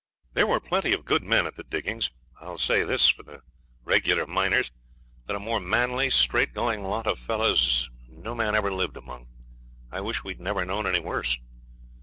There were plenty of good men at the diggings. I will say this for the regular miners, that a more manly, straightgoing lot of fellows no man ever lived among. I wish we'd never known any worse.